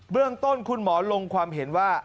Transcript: เรื่องต้นคุณหมอลงความเห็นว่า